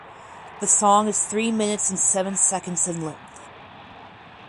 The song is three minutes and seven seconds in length.